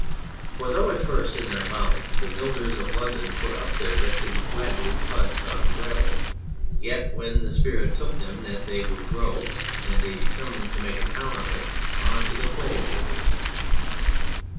For though at first, in their folly, the builders of London put up their wretched wattled huts on On Clay gravel, yet when the spirit took them thcit they would grow, and they determined to make a town of it, on to the clay they went.